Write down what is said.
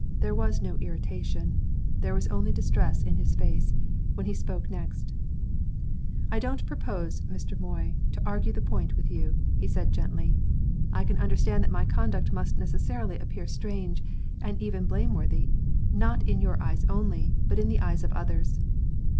There was no irritation there was only distress in his face when he spoke next. "I don't propose, Mr. Moy, to argue the point with you," he said, gently. "I can understand that my conduct must necessarily appear strange and even blameworthy, not in your eyes only, but in the eyes of others.